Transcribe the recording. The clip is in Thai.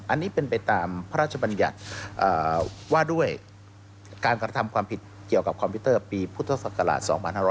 อันนี้เป็นไปตามพระราชบัญญัติว่าด้วยการกระทำความผิดเกี่ยวกับคอมพิวเตอร์ปีพุทธศักราช๒๕๖๐